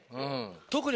特に。